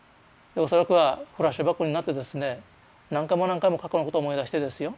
恐らくはフラッシュバックになってですね何回も何回も過去のことを思い出してですよ